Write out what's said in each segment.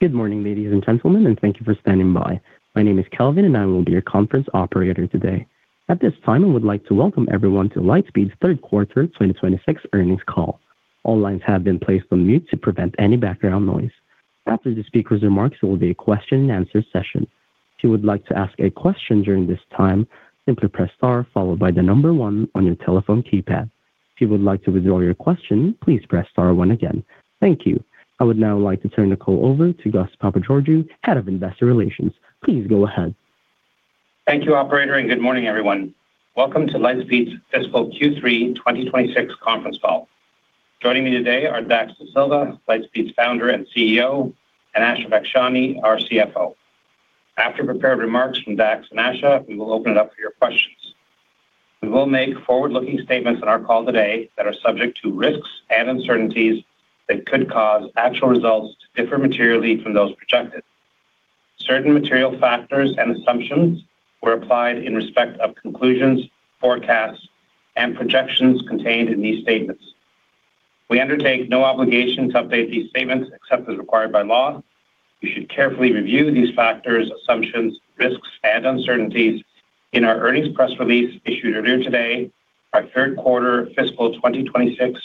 Good morning, ladies and gentlemen, and thank you for standing by. My name is Kelvin, and I will be your conference operator today. At this time, I would like to welcome everyone to Lightspeed's third quarter 2026 earnings call. All lines have been placed on mute to prevent any background noise. After the speaker's remarks, there will be a question-and-answer session. If you would like to ask a question during this time, simply press star followed by the number one on your telephone keypad. If you would like to withdraw your question, please press star one again. Thank you. I would now like to turn the call over to Gus Papageorgiou, Head of Investor Relations. Please go ahead. Thank you, operator, and good morning, everyone. Welcome to Lightspeed's fiscal Q3 2026 conference call. Joining me today are Dax Dasilva, Lightspeed's founder and CEO, and Asha Bakshani, our CFO. After prepared remarks from Dax and Asha, we will open it up for your questions. We will make forward-looking statements on our call today that are subject to risks and uncertainties that could cause actual results to differ materially from those projected. Certain material factors and assumptions were applied in respect of conclusions, forecasts, and projections contained in these statements. We undertake no obligation to update these statements except as required by law. You should carefully review these factors, assumptions, risks, and uncertainties in our earnings press release issued earlier today, our third quarter fiscal 2026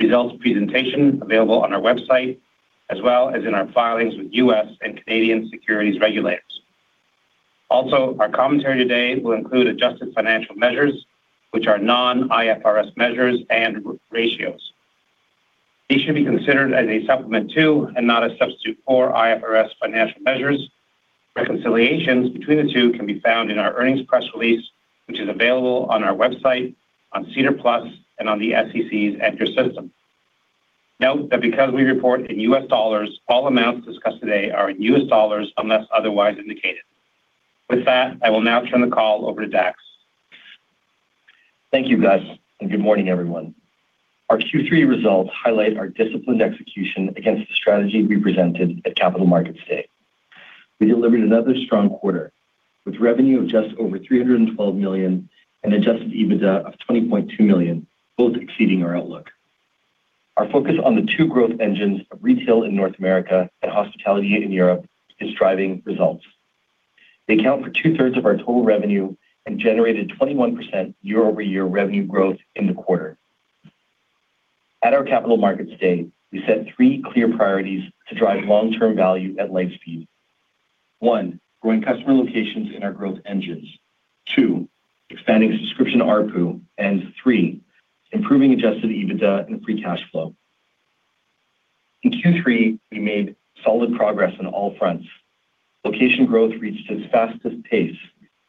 results presentation available on our website, as well as in our filings with U.S. and Canadian securities regulators. Also, our commentary today will include adjusted financial measures, which are non-IFRS measures and ratios. These should be considered as a supplement to, and not a substitute for, IFRS financial measures. Reconciliations between the two can be found in our earnings press release, which is available on our website, on SEDAR+, and on the SEC's EDGAR system. Note that because we report in US dollars, all amounts discussed today are in US dollars, unless otherwise indicated. With that, I will now turn the call over to Dax. Thank you, Gus, and good morning, everyone. Our Q3 results highlight our disciplined execution against the strategy we presented at Capital Markets Day. We delivered another strong quarter, with revenue of just over $312 million and adjusted EBITDA of $20.2 million, both exceeding our outlook. Our focus on the two growth engines of retail in North America and hospitality in Europe is driving results. They account for 2/3 of our total revenue and generated 21% year-over-year revenue growth in the quarter. At our Capital Markets Day, we set three clear priorities to drive long-term value at Lightspeed. One, growing customer locations in our growth engines. Two, expanding subscription ARPU. And three, improving adjusted EBITDA and free cash flow. In Q3, we made solid progress on all fronts. Location growth reached its fastest pace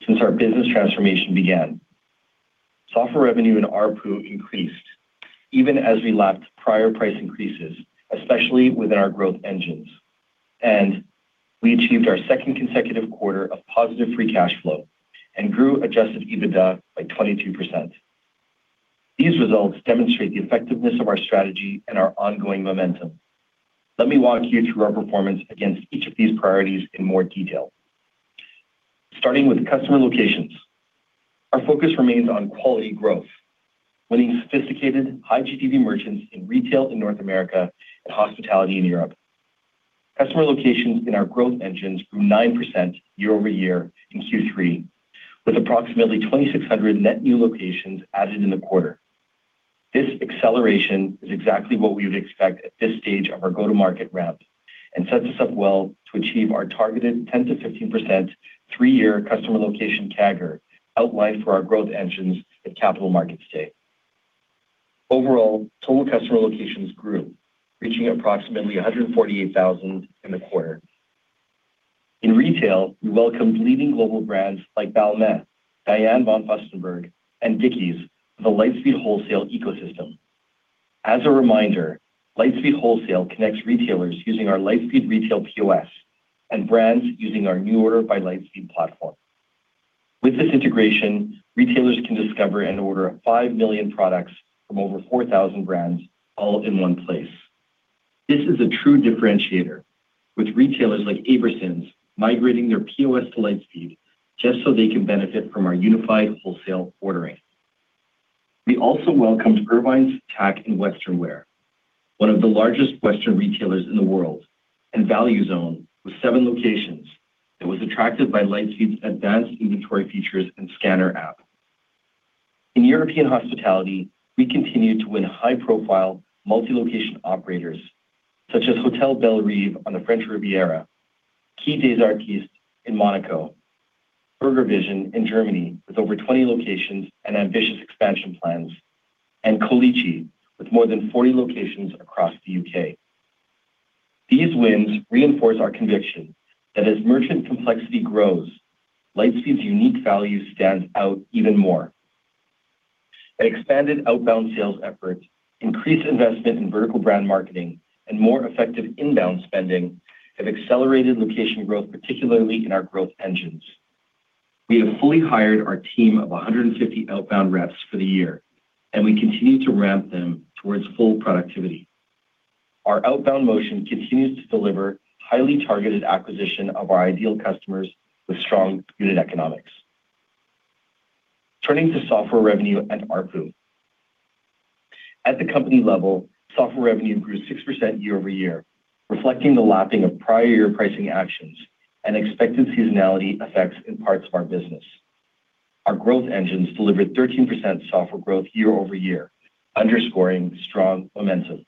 since our business transformation began. Software revenue and ARPU increased, even as we lapped prior price increases, especially within our growth engines, and we achieved our second consecutive quarter of positive free cash flow and grew adjusted EBITDA by 22%. These results demonstrate the effectiveness of our strategy and our ongoing momentum. Let me walk you through our performance against each of these priorities in more detail. Starting with customer locations. Our focus remains on quality growth, winning sophisticated, high-GTV merchants in retail in North America and hospitality in Europe. Customer locations in our growth engines grew 9% year-over-year in Q3, with approximately 2,600 net new locations added in the quarter. This acceleration is exactly what we would expect at this stage of our go-to-market ramp and sets us up well to achieve our targeted 10%-15% three-year customer location CAGR outlined for our growth engines at Capital Markets Day. Overall, total customer locations grew, reaching approximately 148,000 in the quarter. In retail, we welcomed leading global brands like Balmain, Diane von Furstenberg, and Dickies to the Lightspeed Wholesale ecosystem. As a reminder, Lightspeed Wholesale connects retailers using our Lightspeed Retail POS and brands using our NuORDER by Lightspeed platform. With this integration, retailers can discover and order 5 million products from over 4,000 brands, all in one place. This is a true differentiator, with retailers like Aberson's migrating their POS to Lightspeed just so they can benefit from our unified wholesale ordering. We also welcomed Irvine's Tack & Western Wear, one of the largest Western retailers in the world, and Value Zone with seven locations, and was attracted by Lightspeed's advanced inventory features and scanner app. In European hospitality, we continued to win high-profile, multi-location operators, such as Hôtel Belles Rives on the French Riviera, Quai des Artistes in Monaco, Burger Vision in Germany, with over 20 locations and ambitious expansion plans, and Colicci, with more than 40 locations across the U.K. These wins reinforce our conviction that as merchant complexity grows, Lightspeed's unique value stands out even more. An expanded outbound sales effort, increased investment in vertical brand marketing, and more effective inbound spending have accelerated location growth, particularly in our growth engines. We have fully hired our team of 150 outbound reps for the year, and we continue to ramp them towards full productivity. Our outbound motion continues to deliver highly targeted acquisition of our ideal customers with strong unit economics. Turning to software revenue and ARPU. At the company level, software revenue grew 6% year-over-year, reflecting the lapping of prior year pricing actions and expected seasonality effects in parts of our business. Our growth engines delivered 13% software growth year-over-year, underscoring strong momentum.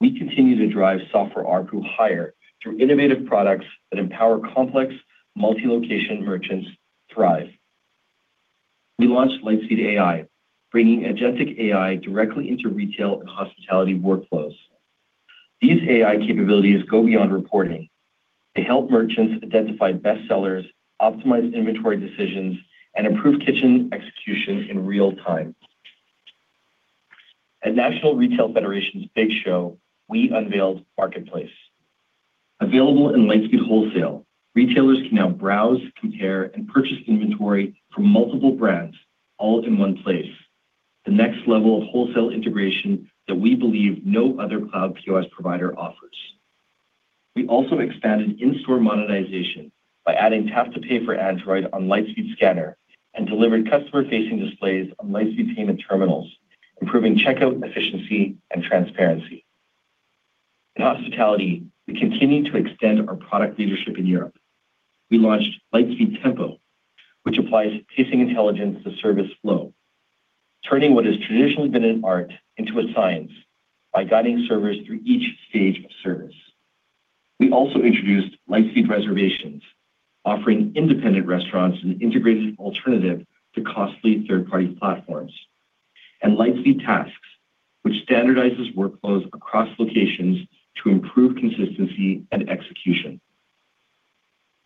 We continue to drive software ARPU higher through innovative products that empower complex multi-location merchants thrive. We launched Lightspeed AI, bringing agentic AI directly into retail and hospitality workflows. These AI capabilities go beyond reporting. They help merchants identify best sellers, optimize inventory decisions, and improve kitchen execution in real time. At National Retail Federation's Big Show, we unveiled Marketplace. Available in Lightspeed Wholesale, retailers can now browse, compare, and purchase inventory from multiple brands, all in one place. The next level of wholesale integration that we believe no other cloud POS provider offers. We also expanded in-store monetization by adding Tap to Pay for Android on Lightspeed Scanner and delivered customer-facing displays on Lightspeed payment terminals, improving checkout efficiency and transparency. In hospitality, we continued to extend our product leadership in Europe. We launched Lightspeed Tempo, which applies pacing intelligence to service flow, turning what has traditionally been an art into a science by guiding servers through each stage of service. We also introduced Lightspeed Reservations, offering independent restaurants an integrated alternative to costly third-party platforms, and Lightspeed Tasks, which standardizes workflows across locations to improve consistency and execution.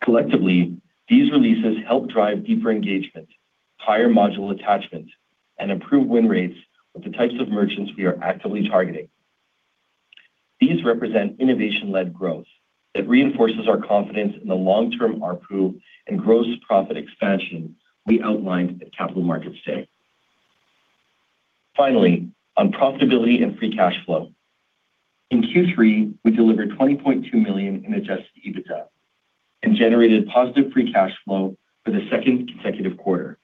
Collectively, these releases help drive deeper engagement, higher module attachment, and improve win rates with the types of merchants we are actively targeting. These represent innovation-led growth that reinforces our confidence in the long-term ARPU and gross profit expansion we outlined at Capital Markets Day. Finally, on profitability and free cash flow. In Q3, we delivered $20.2 million in adjusted EBITDA and generated positive free cash flow for the second consecutive quarter.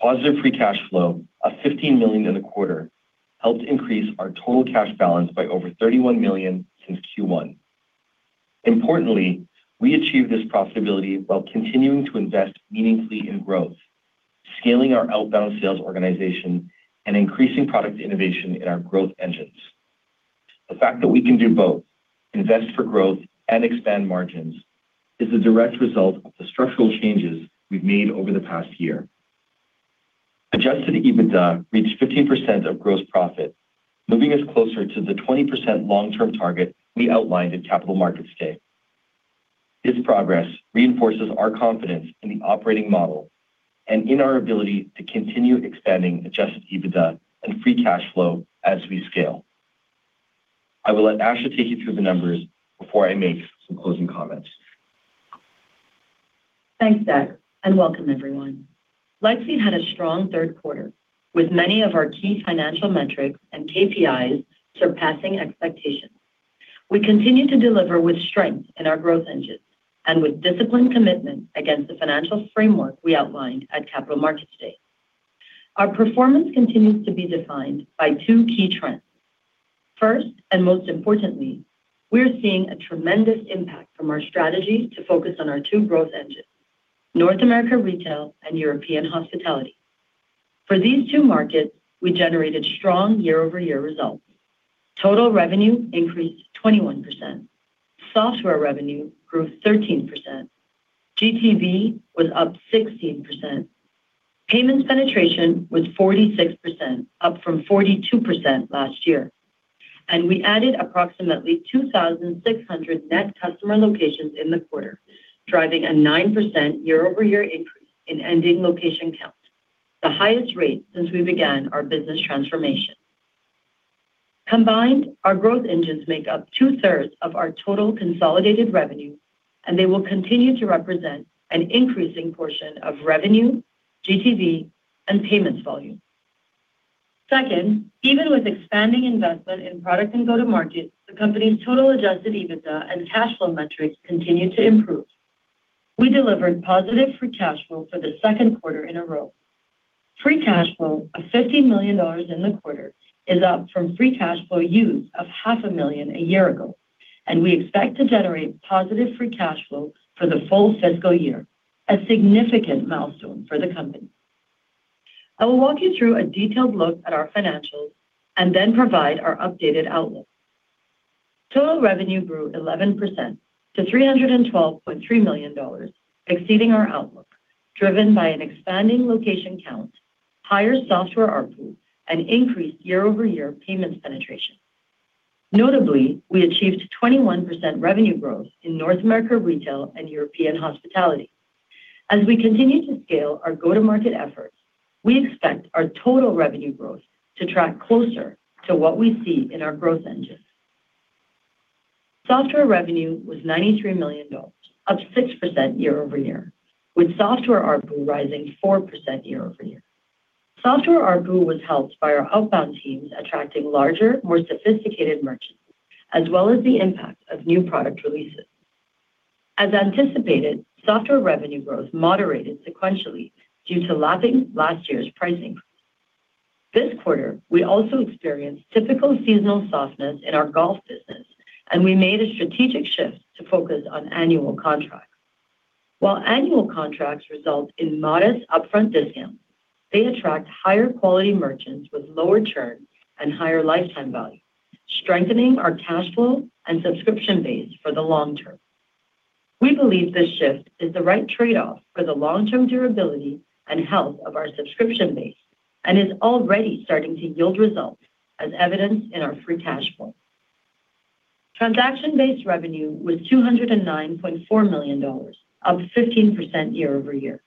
Positive free cash flow of $15 million in the quarter helped increase our total cash balance by over $31 million since Q1. Importantly, we achieved this profitability while continuing to invest meaningfully in growth, scaling our outbound sales organization, and increasing product innovation in our growth engines. The fact that we can do both, invest for growth and expand margins, is a direct result of the structural changes we've made over the past year. Adjusted EBITDA reached 15% of gross profit, moving us closer to the 20% long-term target we outlined at Capital Markets Day. This progress reinforces our confidence in the operating model and in our ability to continue expanding adjusted EBITDA and free cash flow as we scale. I will let Asha take you through the numbers before I make some closing comments. Thanks, Dax, and welcome everyone. Lightspeed had a strong third quarter, with many of our key financial metrics and KPIs surpassing expectations. We continue to deliver with strength in our growth engines and with disciplined commitment against the financial framework we outlined at Capital Markets Day. Our performance continues to be defined by two key trends. First, and most importantly, we are seeing a tremendous impact from our strategy to focus on our two growth engines, North America retail and European hospitality. For these two markets, we generated strong year-over-year results. Total revenue increased 21%. Software revenue grew 13%. GTV was up 16%. Payments penetration was 46%, up from 42% last year, and we added approximately 2,600 net customer locations in the quarter, driving a 9% year-over-year increase in ending location count, the highest rate since we began our business transformation. Combined, our growth engines make up 2/3 of our total consolidated revenue, and they will continue to represent an increasing portion of revenue, GTV, and payments volume. Second, even with expanding investment in product and go-to-market, the company's total adjusted EBITDA and cash flow metrics continued to improve. We delivered positive free cash flow for the second quarter in a row. free cash flow of $50 million in the quarter is up from free cash flow use of $500,000 a year ago, and we expect to generate positive free cash flow for the full fiscal year, a significant milestone for the company. I will walk you through a detailed look at our financials and then provide our updated outlook. Total revenue grew 11% to $312.3 million, exceeding our outlook, driven by an expanding location count, higher software ARPU, and increased year-over-year payments penetration. Notably, we achieved 21% revenue growth in North America retail and European hospitality. As we continue to scale our go-to-market efforts, we expect our total revenue growth to track closer to what we see in our growth engines. Software revenue was $93 million, up 6% year-over-year, with software ARPU rising 4% year-over-year. Software ARPU was helped by our outbound teams attracting larger, more sophisticated merchants, as well as the impact of new product releases. As anticipated, software revenue growth moderated sequentially due to lapping last year's pricing. This quarter, we also experienced typical seasonal softness in our golf business, and we made a strategic shift to focus on annual contracts. While annual contracts result in modest upfront discounts, they attract higher quality merchants with lower churn and higher lifetime value, strengthening our cash flow and subscription base for the long term. We believe this shift is the right trade-off for the long-term durability and health of our subscription base, and is already starting to yield results as evidenced in our free cash flow. Transaction-based revenue was $209.4 million, up 15% year-over-year.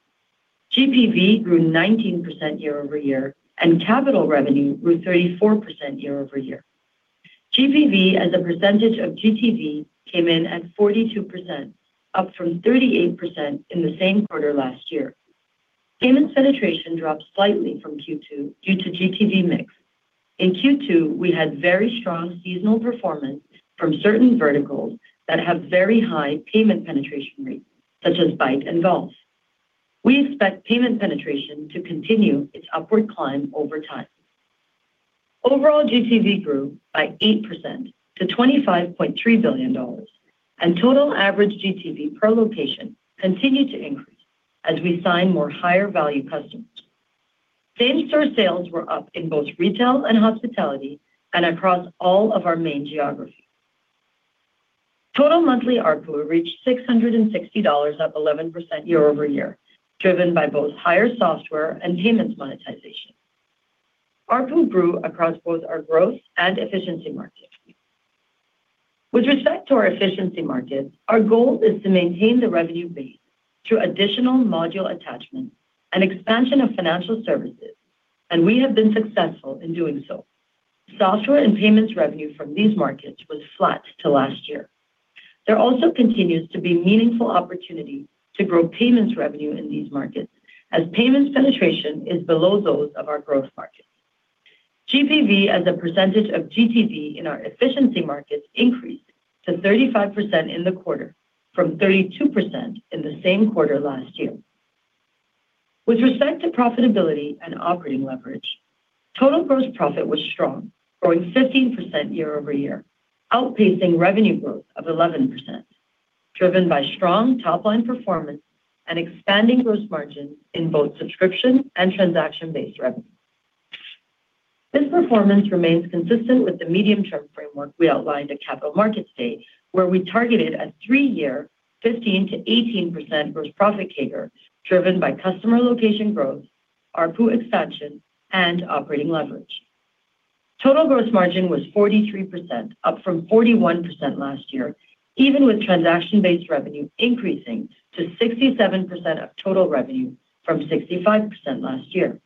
GPV grew 19% year-over-year, and capital revenue grew 34% year-over-year. GPV, as a percentage of GTV, came in at 42%, up from 38% in the same quarter last year. Payment penetration dropped slightly from Q2 due to GTV mix. In Q2, we had very strong seasonal performance from certain verticals that have very high payment penetration rates, such as bike and golf. We expect payment penetration to continue its upward climb over time. Overall, GTV grew by 8% to $25.3 billion, and total average GTV per location continued to increase as we sign more higher value customers. Same-store sales were up in both retail and hospitality, and across all of our main geographies. Total monthly ARPU reached $660, up 11% year-over-year, driven by both higher software and payments monetization. ARPU grew across both our growth and efficiency markets. With respect to our efficiency market, our goal is to maintain the revenue base through additional module attachment and expansion of financial services, and we have been successful in doing so. Software and payments revenue from these markets was flat to last year. There also continues to be meaningful opportunity to grow payments revenue in these markets, as payments penetration is below those of our growth markets. GPV, as a percentage of GTV in our efficiency markets, increased to 35% in the quarter, from 32% in the same quarter last year. With respect to profitability and operating leverage, total gross profit was strong, growing 15% year-over-year, outpacing revenue growth of 11%, driven by strong top-line performance and expanding gross margins in both subscription and transaction-based revenue. This performance remains consistent with the medium-term framework we outlined at Capital Markets Day, where we targeted a three-year 15%-18% gross profit CAGR, driven by customer location growth, ARPU expansion, and operating leverage. Total gross margin was 43%, up from 41% last year, even with transaction-based revenue increasing to 67% of total revenue from 65% last year.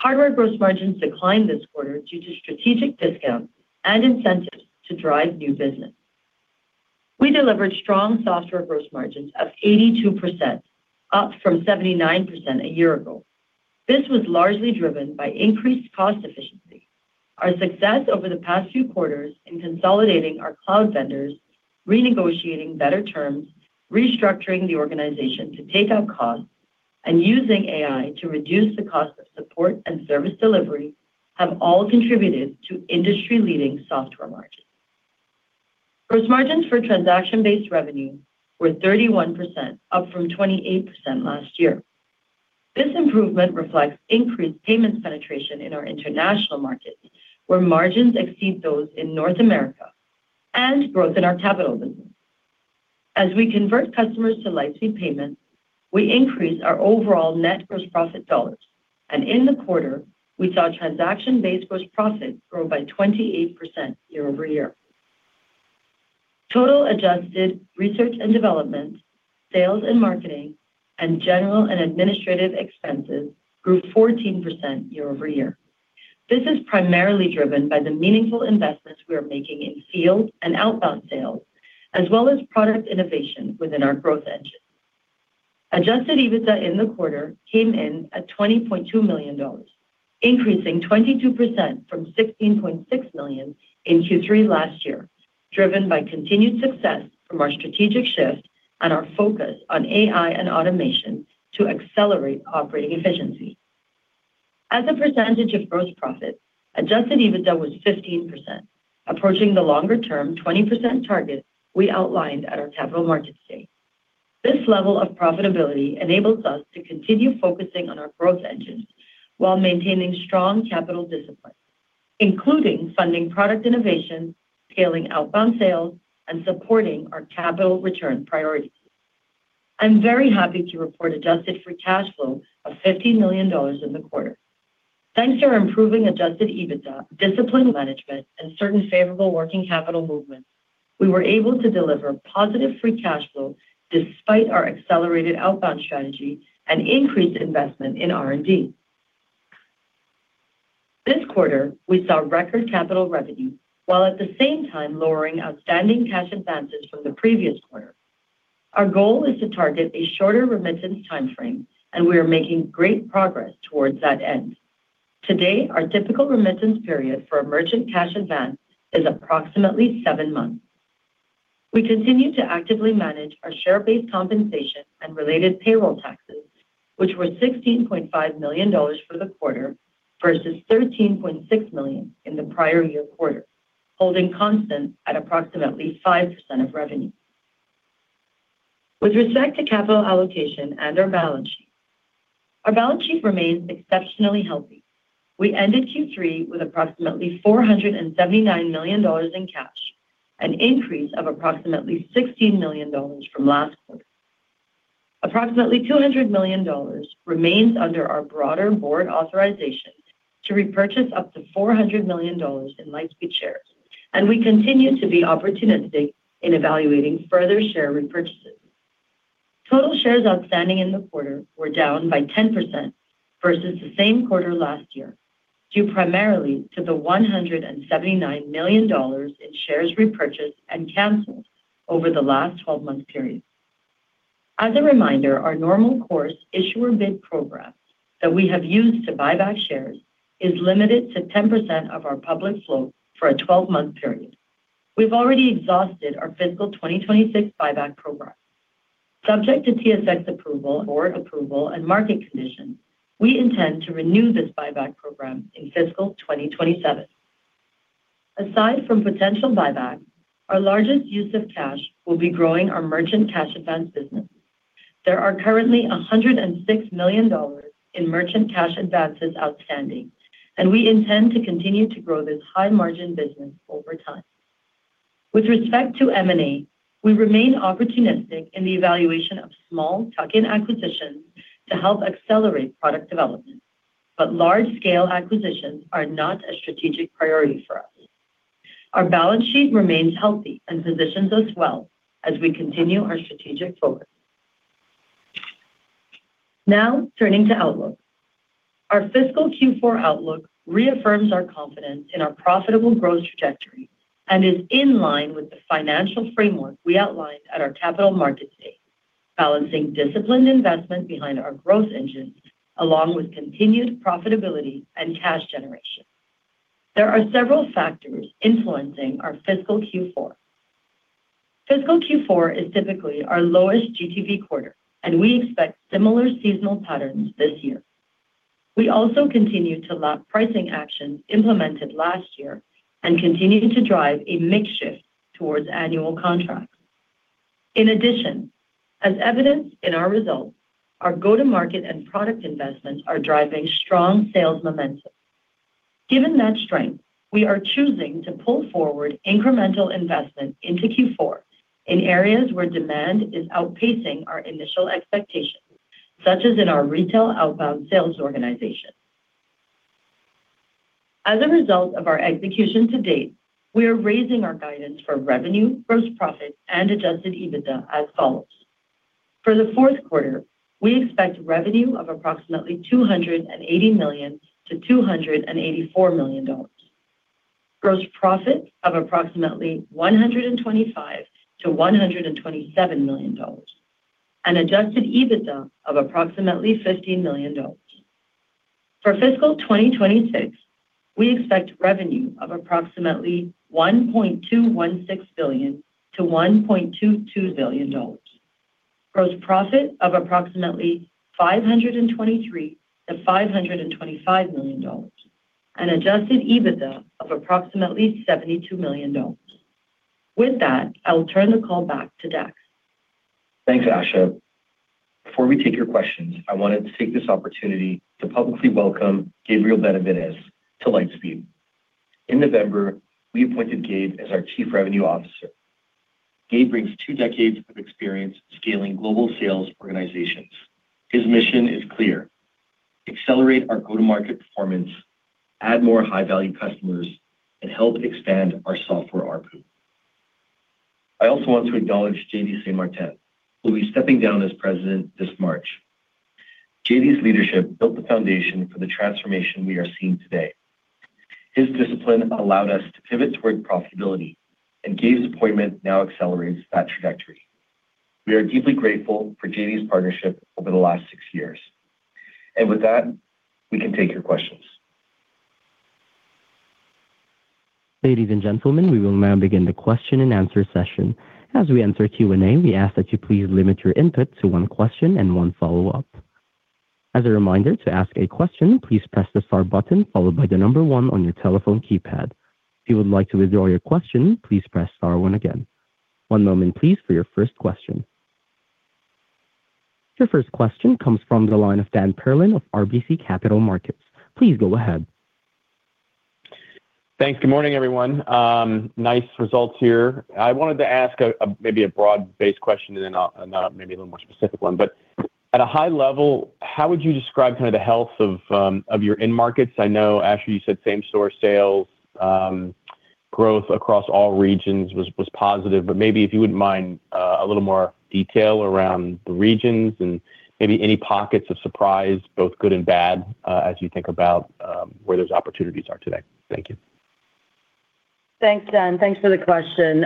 Hardware gross margins declined this quarter due to strategic discounts and incentives to drive new business. We delivered strong software gross margins of 82%, up from 79% a year ago. This was largely driven by increased cost efficiency. Our success over the past few quarters in consolidating our cloud vendors, renegotiating better terms, restructuring the organization to take out costs, and using AI to reduce the cost of support and service delivery, have all contributed to industry-leading software margins. Gross margins for transaction-based revenue were 31%, up from 28% last year. This improvement reflects increased payment penetration in our international markets, where margins exceed those in North America and growth in our capital business. As we convert customers to Lightspeed Payments, we increase our overall net gross profit dollars, and in the quarter, we saw transaction-based gross profit grow by 28% year-over-year. Total adjusted research and development, sales and marketing, and general and administrative expenses grew 14% year-over-year. This is primarily driven by the meaningful investments we are making in field and outbound sales, as well as product innovation within our growth engine. Adjusted EBITDA in the quarter came in at $20.2 million, increasing 22% from $16.6 million in Q3 last year, driven by continued success from our strategic shift and our focus on AI and automation to accelerate operating efficiency. As a percentage of gross profit, adjusted EBITDA was 15%, approaching the longer-term 20% target we outlined at our capital markets day. This level of profitability enables us to continue focusing on our growth engines while maintaining strong capital discipline, including funding product innovation, scaling outbound sales, and supporting our capital return priorities. I'm very happy to report adjusted free cash flow of $50 million in the quarter. Thanks to our improving adjusted EBITDA, disciplined management, and certain favorable working capital movements, we were able to deliver positive free cash flow despite our accelerated outbound strategy and increased investment in R&D. This quarter, we saw record capital revenue, while at the same time lowering outstanding cash advances from the previous quarter. Our goal is to target a shorter remittance timeframe, and we are making great progress towards that end. Today, our typical remittance period for a merchant cash advance is approximately seven months. We continue to actively manage our share-based compensation and related payroll taxes, which were $16.5 million for the quarter, versus $13.6 million in the prior year quarter, holding constant at approximately 5% of revenue. With respect to capital allocation and our balance sheet, our balance sheet remains exceptionally healthy. We ended Q3 with approximately $479 million in cash, an increase of approximately $16 million from last quarter. Approximately $200 million remains under our broader board authorization to repurchase up to $400 million in Lightspeed shares, and we continue to be opportunistic in evaluating further share repurchases. Total shares outstanding in the quarter were down by 10% versus the same quarter last year, due primarily to the $179 million in shares repurchased and canceled over the last twelve-month period. As a reminder, our Normal Course Issuer Bid Program that we have used to buy back shares is limited to 10% of our public float for a 12-month period. We've already exhausted our fiscal 2026 buyback program. Subject to TSX approval or approval and market conditions, we intend to renew this buyback program in fiscal 2027. Aside from potential buyback, our largest use of cash will be growing our merchant cash advance business. There are currently $106 million in merchant cash advances outstanding, and we intend to continue to grow this high-margin business over time. With respect to M&A, we remain opportunistic in the evaluation of small tuck-in acquisitions to help accelerate product development, but large-scale acquisitions are not a strategic priority for us. Our balance sheet remains healthy and positions us well as we continue our strategic focus. Now, turning to outlook. Our fiscal Q4 outlook reaffirms our confidence in our profitable growth trajectory and is in line with the financial framework we outlined at our capital markets day, balancing disciplined investment behind our growth engine, along with continued profitability and cash generation. There are several factors influencing our fiscal Q4. Fiscal Q4 is typically our lowest GTV quarter, and we expect similar seasonal patterns this year. We also continue to lock pricing actions implemented last year and continue to drive a mix shift towards annual contracts. In addition, as evidenced in our results, our go-to-market and product investments are driving strong sales momentum. Given that strength, we are choosing to pull forward incremental investment into Q4 in areas where demand is outpacing our initial expectations, such as in our retail outbound sales organization. As a result of our execution to date, we are raising our guidance for revenue, gross profit, and adjusted EBITDA as follows: For the fourth quarter, we expect revenue of approximately $280 million-$284 million. Gross profit of approximately $125 million-$127 million, and adjusted EBITDA of approximately $50 million. For fiscal 2026, we expect revenue of approximately $1.216 billion-$1.22 billion. Gross profit of approximately $523 million-$525 million, and adjusted EBITDA of approximately $72 million. With that, I will turn the call back to Dax. Thanks, Asha. Before we take your questions, I wanted to take this opportunity to publicly welcome Gabriel Benavides to Lightspeed. In November, we appointed Gabe as our Chief Revenue Officer. Gabe brings two decades of experience scaling global sales organizations. His mission is clear: Accelerate our go-to-market performance, add more high-value customers, and help expand our software ARPU. I also want to acknowledge JD Saint-Martin, who will be stepping down as President this March. JD's leadership built the foundation for the transformation we are seeing today. His discipline allowed us to pivot toward profitability, and Gabe's appointment now accelerates that trajectory. We are deeply grateful for JD's partnership over the last six years. With that, we can take your questions. Ladies and gentlemen, we will now begin the question-and-answer session. As we enter Q&A, we ask that you please limit your input to one question and one follow-up. As a reminder, to ask a question, please press the star button followed by the number one on your telephone keypad. If you would like to withdraw your question, please press star one again. One moment, please, for your first question. Your first question comes from the line of Dan Perlin of RBC Capital Markets. Please go ahead. Thanks. Good morning, everyone. Nice results here. I wanted to ask maybe a broad-based question and then maybe a little more specific one. But at a high level, how would you describe kind of the health of your end markets? I know, Asha, you said same-store sales growth across all regions was positive, but maybe if you wouldn't mind a little more detail around the regions and maybe any pockets of surprise, both good and bad, as you think about where those opportunities are today. Thank you. Thanks, Dan. Thanks for the question.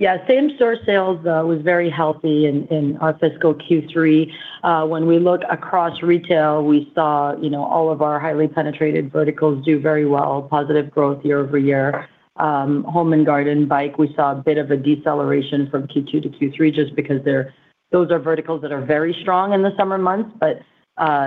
Yeah, same-store sales was very healthy in our fiscal Q3. When we looked across retail, we saw, you know, all of our highly penetrated verticals do very well, positive growth year-over-year. Home and garden, bike, we saw a bit of a deceleration from Q2 to Q3 just because those are verticals that are very strong in the summer months, but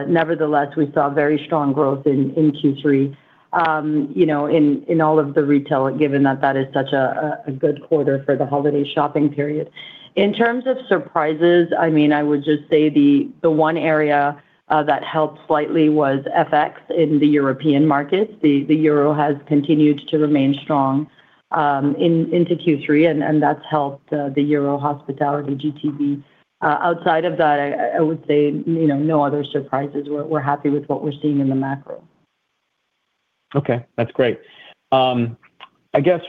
nevertheless, we saw very strong growth in Q3, you know, in all of the retail, given that that is such a good quarter for the holiday shopping period. In terms of surprises, I mean, I would just say the one area that helped slightly was FX in the European markets. The EUR has continued to remain strong into Q3, and that's helped the euro hospitality GTV. Outside of that, I would say, you know, no other surprises. We're happy with what we're seeing in the macro. Okay, that's great. I guess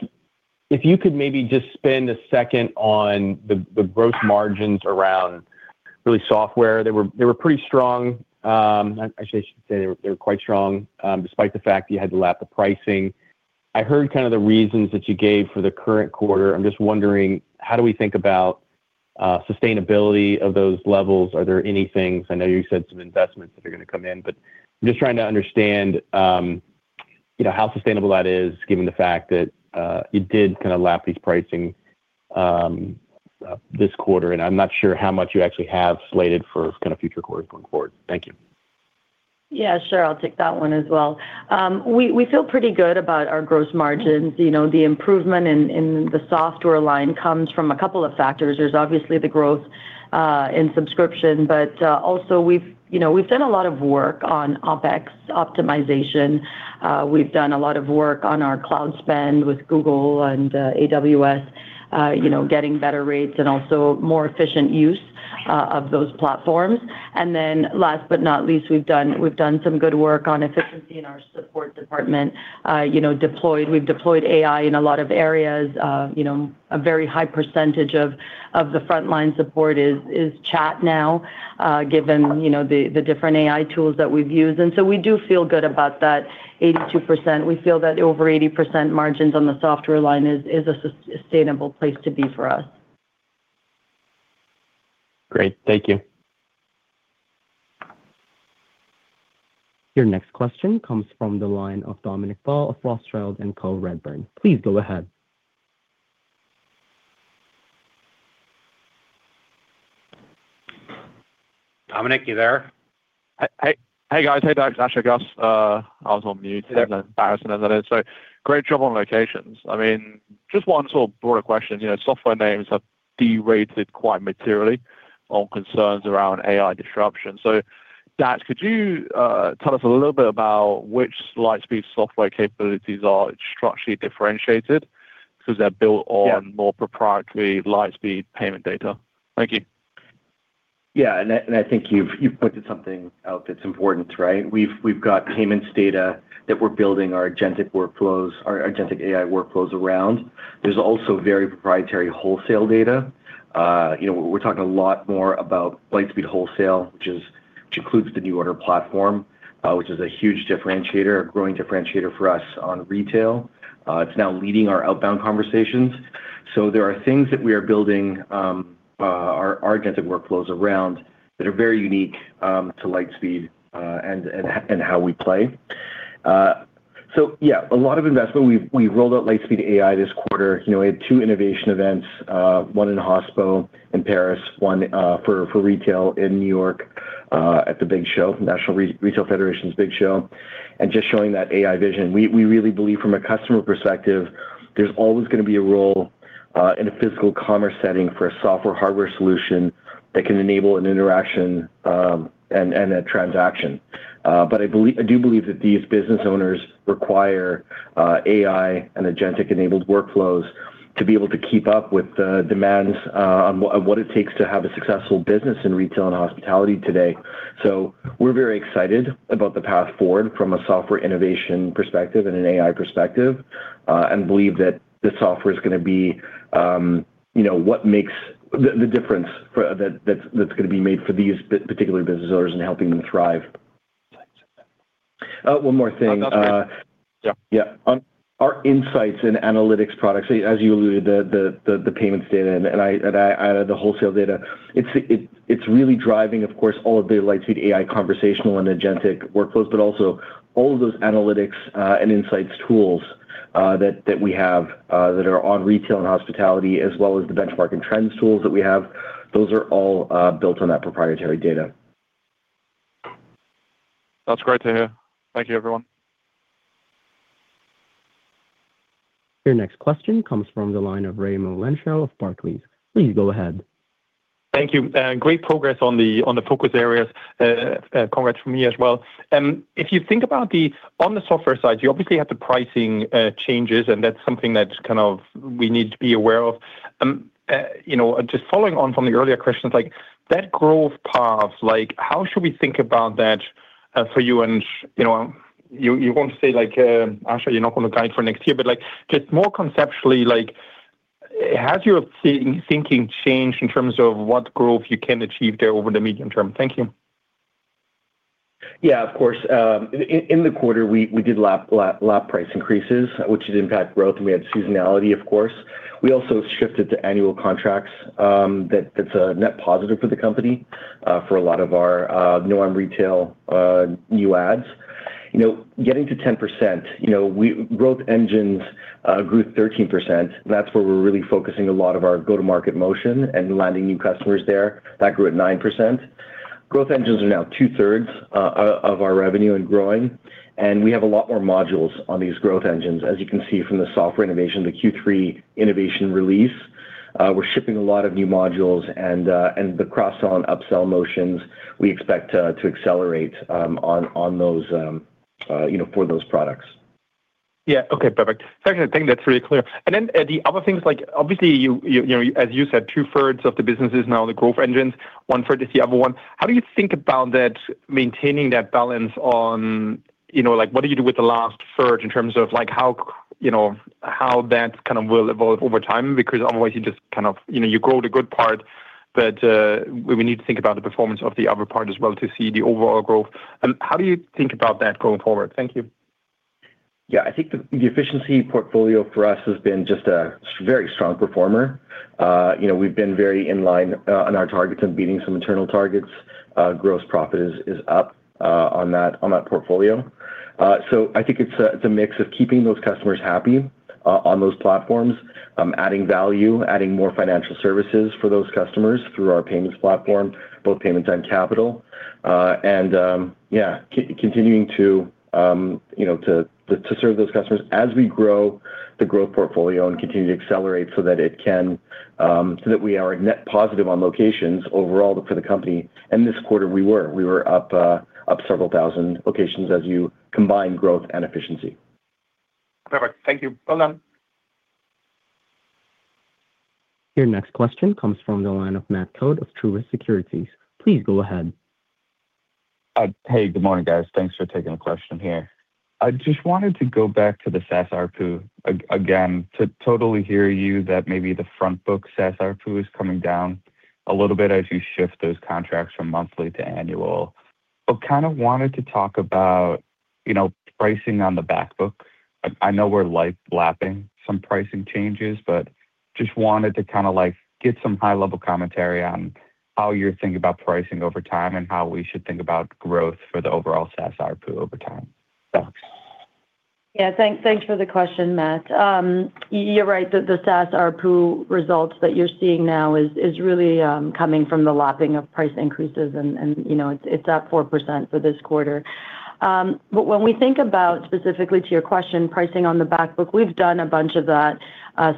if you could maybe just spend a second on the growth margins around really software. They were pretty strong. Actually, I should say they were quite strong, despite the fact that you had to lap the pricing. I heard kind of the reasons that you gave for the current quarter. I'm just wondering, how do we think about sustainability of those levels? Are there any things, I know you said some investments that are gonna come in, but I'm just trying to understand, you know, how sustainable that is, given the fact that you did kind of lap these pricing this quarter, and I'm not sure how much you actually have slated for kind of future quarters going forward. Thank you. Yeah, sure. I'll take that one as well. We feel pretty good about our gross margins. You know, the improvement in the software line comes from a couple of factors. There's obviously the growth in subscription, but also, we've, you know, we've done a lot of work on OpEx optimization. We've done a lot of work on our cloud spend with Google and AWS, you know, getting better rates and also more efficient use of those platforms. And then, last but not least, we've done some good work on efficiency in our support department. You know, we've deployed AI in a lot of areas. You know, a very high percentage of the frontline support is chat now, given, you know, the different AI tools that we've used. So we do feel good about that 82%. We feel that over 80% margins on the software line is a sustainable place to be for us. Great. Thank you. Your next question comes from the line of Dominic Ball of Rothschild & Co Redburn. Please go ahead. Dominic, you there? Hey, guys. Hey, Dax, Asha, Gus. I was on mute. How embarrassing is that? So great job on locations. I mean, just one sort of broader question. You know, software names have derated quite materially on concerns around AI disruption. So Dax, could you tell us a little bit about which Lightspeed software capabilities are structurally differentiated because they're built on- Yeah more proprietary Lightspeed payment data? Thank you. Yeah, and I think you've pointed something out that's important, right? We've got payments data that we're building our agentic workflows, our agentic AI workflows around. There's also very proprietary wholesale data. You know, we're talking a lot more about Lightspeed Wholesale, which includes the NuORDER platform, which is a huge differentiator, a growing differentiator for us on retail. It's now leading our outbound conversations. So there are things that we are building our agentic workflows around that are very unique to Lightspeed and how we play. So yeah, a lot of investment. We rolled out Lightspeed AI this quarter. You know, we had two innovation events, one in hospo in Paris, one for retail in New York at the big show, National Retail Federation's big show, and just showing that AI vision. We really believe from a customer perspective, there's always gonna be a role in a physical commerce setting for a software/hardware solution that can enable an interaction and a transaction. But I believe - I do believe that these business owners require AI and agentic-enabled workflows to be able to keep up with the demands on what it takes to have a successful business in retail and hospitality today. So we're very excited about the path forward from a software innovation perspective and an AI perspective, and believe that this software is gonna be, you know, what makes the difference for... That's gonna be made for these particular business owners and helping them thrive. One more thing. Yeah. Yeah. On our insights and analytics products, as you alluded, the payments data and the wholesale data, it's really driving, of course, all of the Lightspeed AI conversational and agentic workflows, but also all of those analytics and insights tools that we have that are on retail and hospitality, as well as the benchmark and trends tools that we have, those are all built on that proprietary data. That's great to hear. Thank you, everyone. Your next question comes from the line of Raimo Lenschow of Barclays. Please go ahead. Thank you. Great progress on the focus areas. Congrats from me as well. If you think about the software side, you obviously have the pricing changes, and that's something that kind of we need to be aware of. You know, just following on from the earlier questions, like, that growth path, like, how should we think about that for you? And, you know, you won't say, like, actually you're not gonna guide for next year, but, like, just more conceptually, like, has your thinking changed in terms of what growth you can achieve there over the medium term? Thank you. Yeah, of course. In the quarter, we did lap price increases, which did impact growth, and we had seasonality, of course. We also shifted to annual contracts, that's a net positive for the company, for a lot of our non-retail new ads. You know, getting to 10%, you know, growth engines grew 13%. That's where we're really focusing a lot of our go-to-market motion and landing new customers there. That grew at 9%. Growth engines are now 2/3 of our revenue and growing, and we have a lot more modules on these growth engines. As you can see from the software innovation, the Q3 innovation release, we're shipping a lot of new modules, and the cross-sell and upsell motions, we expect to accelerate on those, you know, for those products. Yeah. Okay, perfect. Second thing, that's really clear. And then the other things, like, obviously, you know, as you said, 2/3 of the business is now the growth engines, 1/3 is the other one. How do you think about that, maintaining that balance on, you know, like, what do you do with the last third in terms of, like, how, you know, how that kind of will evolve over time? Because otherwise, you just kind of, you know, you grow the good part, but we need to think about the performance of the other part as well to see the overall growth. And how do you think about that going forward? Thank you. Yeah. I think the efficiency portfolio for us has been just a very strong performer. You know, we've been very in line on our targets and beating some internal targets. Gross profit is up on that portfolio. So I think it's a mix of keeping those customers happy on those platforms, adding value, adding more financial services for those customers through our payments platform, both payments and capital. Continuing to, you know, to serve those customers as we grow the growth portfolio and continue to accelerate so that it can... so that we are net positive on locations overall for the company. And this quarter, we were. We were up several thousand locations as you combine growth and efficiency. Perfect. Thank you. Well done. Your next question comes from the line of Matt Coad of Truist Securities. Please go ahead. Hey, good morning, guys. Thanks for taking the question here. I just wanted to go back to the SaaS ARPU again, to totally hear you that maybe the front book SaaS ARPU is coming down a little bit as you shift those contracts from monthly to annual. But kind of wanted to talk about, you know, pricing on the back book. I know we're like lapping some pricing changes, but just wanted to kind of, like, get some high-level commentary on how you're thinking about pricing over time, and how we should think about growth for the overall SaaS ARPU over time. Thanks. Yeah, thanks. Thanks for the question, Matt. You're right, the SaaS ARPU results that you're seeing now is really coming from the lapping of price increases and, you know, it's at 4% for this quarter. But when we think about, specifically to your question, pricing on the back book, we've done a bunch of that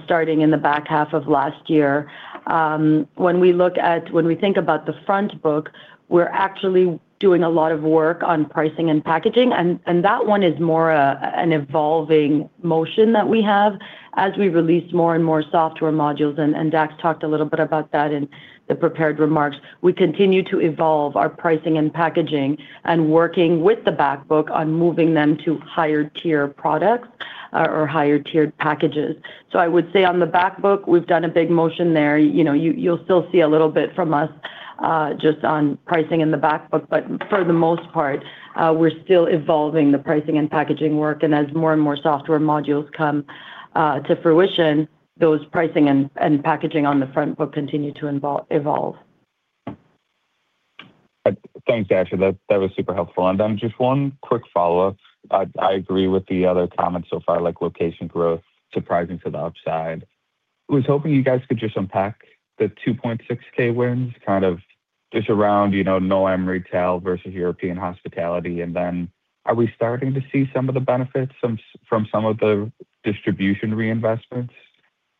starting in the back half of last year. When we think about the front book, we're actually doing a lot of work on pricing and packaging, and that one is more a, an evolving motion that we have as we release more and more software modules, and Dax talked a little bit about that in the prepared remarks. We continue to evolve our pricing and packaging and working with the back book on moving them to higher-tier products or higher-tiered packages. So I would say on the back book, we've done a big motion there. You know, you'll still see a little bit from us just on pricing in the back book, but for the most part, we're still evolving the pricing and packaging work. And as more and more software modules come to fruition, those pricing and packaging on the front book continue to evolve. Thanks, Asha. That was super helpful. Then just one quick follow-up. I agree with the other comments so far, like location growth, surprising to the upside. I was hoping you guys could just unpack the 2,600 wins, kind of just around, you know, NoAm retail versus European hospitality, and then are we starting to see some of the benefits from some of the distribution reinvestments,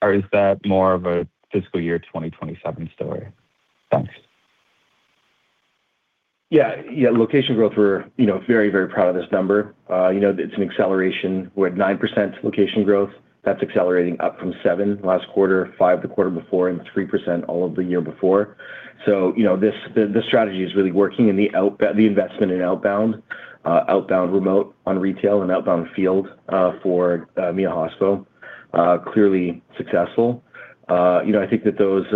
or is that more of a fiscal year 2027 story? Thanks. Yeah. Yeah, location growth, we're, you know, very, very proud of this number. You know, it's an acceleration. We're at 9% location growth. That's accelerating up from 7% last quarter, 5% the quarter before, and 3% all of the year before. So, you know, this, this strategy is really working in the investment in outbound, outbound remote on retail and outbound field, for EMEA hospo, clearly successful. You know, I think that those,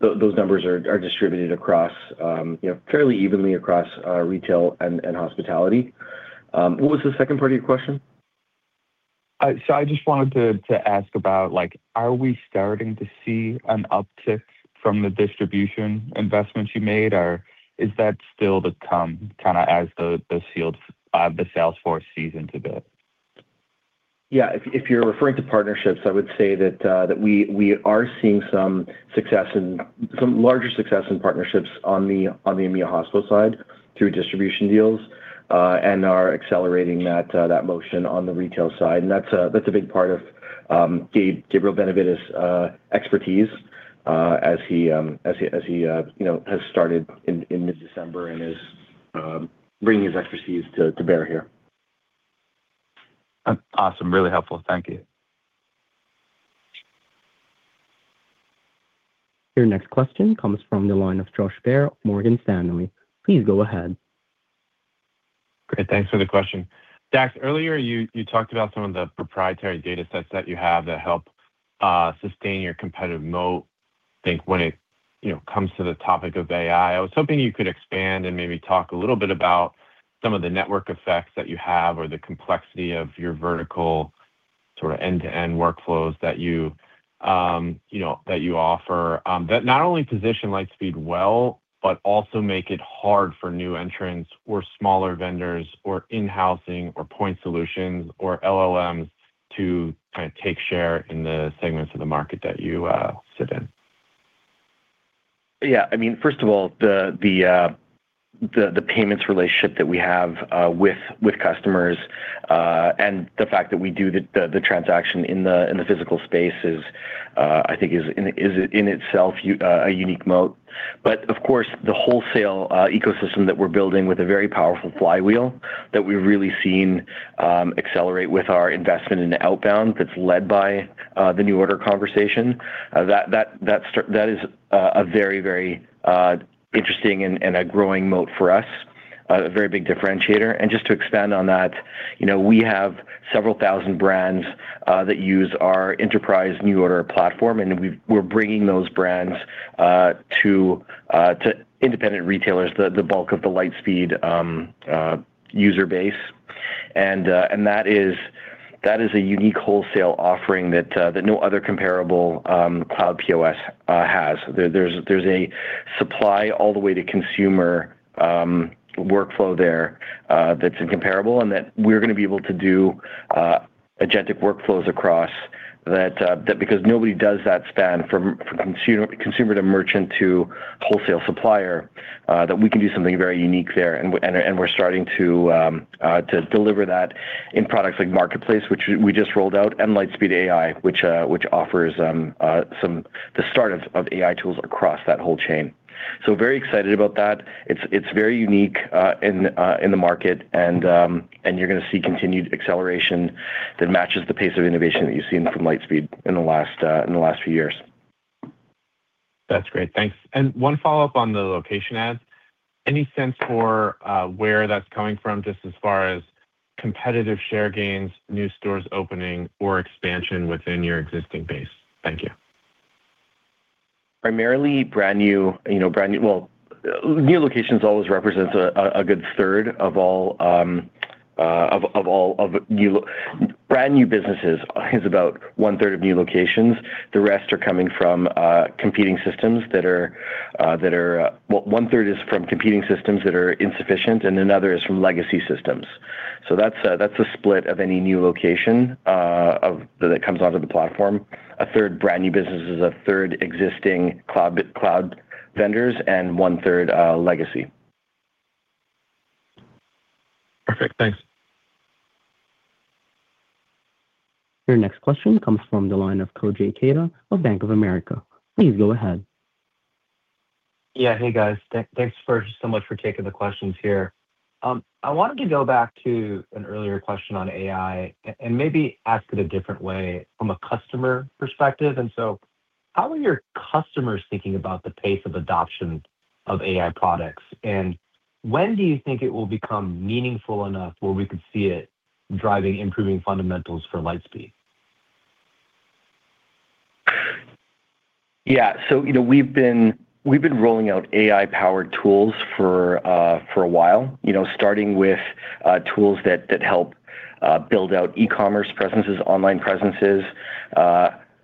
those numbers are, are distributed across, you know, fairly evenly across, retail and, and hospitality. What was the second part of your question? So I just wanted to ask about, like, are we starting to see an uptick from the distribution investments you made, or is that still to come, kind of as the field, the sales force seasons a bit? Yeah. If you're referring to partnerships, I would say that we are seeing some larger success in partnerships on the EMEA hospo side through distribution deals, and are accelerating that motion on the retail side, and that's a big part of Gabe, Gabriel Benavides' expertise, as he, you know, has started in mid-December and is bringing his expertise to bear here. Awesome. Really helpful. Thank you. Your next question comes from the line of Josh Baer, Morgan Stanley. Please go ahead. Great. Thanks for the question. Dax, earlier you talked about some of the proprietary data sets that you have that help sustain your competitive moat. I think when it, you know, comes to the topic of AI, I was hoping you could expand and maybe talk a little bit about some of the network effects that you have or the complexity of your vertical sort of end-to-end workflows that you, you know, that you offer that not only position Lightspeed well, but also make it hard for new entrants or smaller vendors or in-housing or point solutions or LLMs to kind of take share in the segments of the market that you sit in. Yeah. I mean, first of all, the payments relationship that we have with customers and the fact that we do the transaction in the physical space is, I think, in itself a unique moat. But of course, the wholesale ecosystem that we're building with a very powerful flywheel that we've really seen accelerate with our investment in outbound that's led by the NuORDER conversation that is a very, very interesting and a growing moat for us, a very big differentiator. And just to expand on that, you know, we have several thousand brands that use our enterprise NuORDER platform, and we're bringing those brands to independent retailers, the bulk of the Lightspeed user base. And that is a unique wholesale offering that no other comparable cloud POS has. There's a supply all the way to consumer workflow there that's incomparable, and that we're gonna be able to do agentic workflows across that because nobody does that span from consumer to merchant to wholesale supplier that we can do something very unique there. And we're starting to deliver that in products like Marketplace, which we just rolled out, and Lightspeed AI, which offers some, the start of AI tools across that whole chain. So very excited about that. It's very unique in the market, and you're gonna see continued acceleration that matches the pace of innovation that you've seen from Lightspeed in the last few years. That's great. Thanks. One follow-up on the location adds. Any sense for where that's coming from, just as far as competitive share gains, new stores opening, or expansion within your existing base? Thank you. Primarily brand new, you know, brand new. Well, new locations always represents a good third of all, brand new businesses is about 1/3 of new locations. The rest are coming from competing systems that are well, 1/3 is from competing systems that are insufficient, and another is from legacy systems. So that's a split of any new location of that comes onto the platform. A third brand new businesses, a third existing cloud vendors, and 1/3 legacy. Perfect. Thanks. Your next question comes from the line of Koji Ikeda of Bank of America. Please go ahead. Yeah. Hey, guys. Thanks so much for taking the questions here. I wanted to go back to an earlier question on AI and maybe ask it a different way from a customer perspective. How are your customers thinking about the pace of adoption of AI products, and when do you think it will become meaningful enough where we could see it driving, improving fundamentals for Lightspeed? Yeah. So, you know, we've been rolling out AI-powered tools for a while, you know, starting with tools that help build out e-commerce presences, online presences,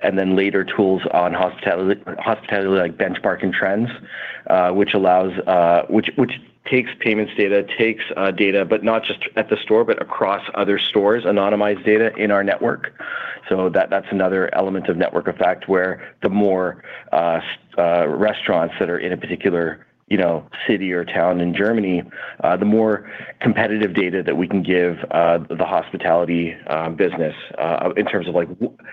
and then later, tools on hospitality, like benchmarking trends, which allows, which takes payments data, takes data, but not just at the store, but across other stores, anonymized data in our network. So that's another element of network effect, where the more restaurants that are in a particular, you know, city or town in Germany, the more competitive data that we can give the hospitality business, in terms of like,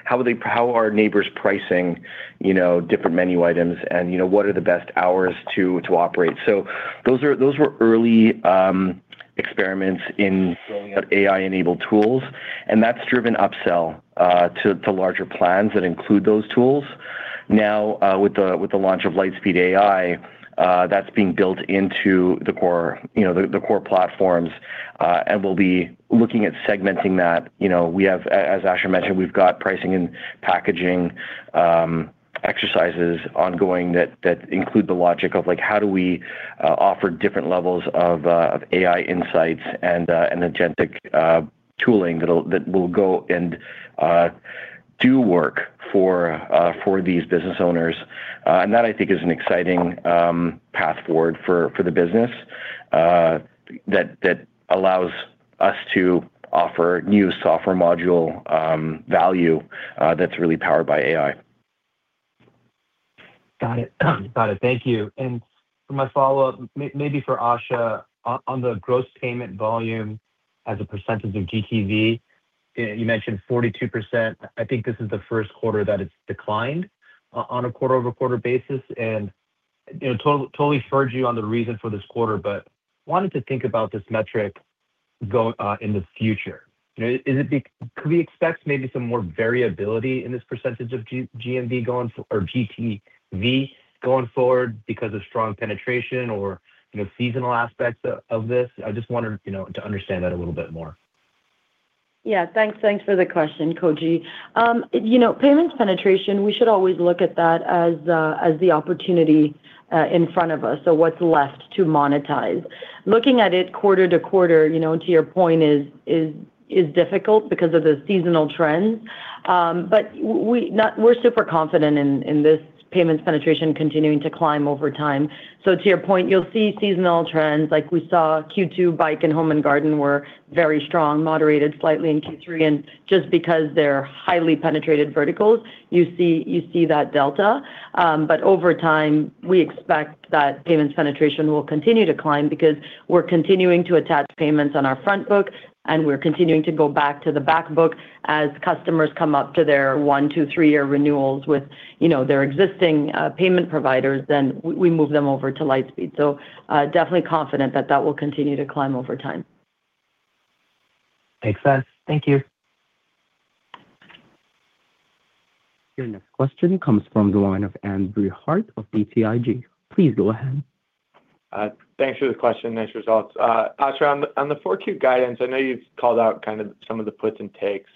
how are they-- how are neighbors pricing, you know, different menu items, and, you know, what are the best hours to operate? So those are those were early experiments in building out AI-enabled tools, and that's driven upsell to larger plans that include those tools. Now, with the launch of Lightspeed AI, that's being built into the core, you know, the core platforms. And we'll be looking at segmenting that. You know, we have, as Asha mentioned, we've got pricing and packaging exercises ongoing that include the logic of like, how do we offer different levels of AI insights and agentic tooling that will go and do work for these business owners? And that, I think, is an exciting path forward for the business that allows us to offer new software module value that's really powered by AI. Got it. Got it. Thank you. And for my follow-up, maybe for Asha, on the gross payment volume as a percentage of GTV, you mentioned 42%. I think this is the first quarter that it's declined on a quarter-over-quarter basis, and, you know, totally heard you on the reason for this quarter, but wanted to think about this metric going in the future. You know, could we expect maybe some more variability in this percentage of GMV going forward, or GTV going forward because of strong penetration or, you know, seasonal aspects of this? I just wanted, you know, to understand that a little bit more. Yeah, thanks. Thanks for the question, Koji. You know, payments penetration, we should always look at that as the opportunity in front of us, so what's left to monetize. Looking at it quarter to quarter, you know, to your point, is difficult because of the seasonal trends. But we're super confident in this payments penetration continuing to climb over time. So to your point, you'll see seasonal trends like we saw Q2, bike and home and garden were very strong, moderated slightly in Q3, and just because they're highly penetrated verticals, you see that delta. But over time, we expect that payments penetration will continue to climb because we're continuing to attach payments on our front book, and we're continuing to go back to the back book. As customers come up to their one, two, three-year renewals with, you know, their existing payment providers, then we move them over to Lightspeed. So, definitely confident that that will continue to climb over time. Makes sense. Thank you. Your next question comes from the line of Andrew Harte of BTIG. Please go ahead. Thanks for the question. Nice results. Asha, on the Q4 guidance, I know you've called out kind of some of the puts and takes,